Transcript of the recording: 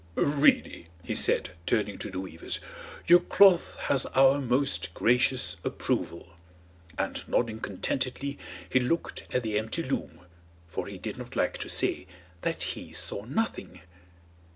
"Really," he said, turning to the weavers, "your cloth has our most gracious approval;" and nodding contentedly he looked at the empty loom, for he did not like to say that he saw nothing.